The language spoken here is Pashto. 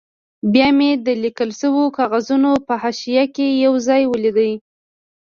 بیا مې د لیکل شوو کاغذونو په حاشیه کې یو ځای ولید.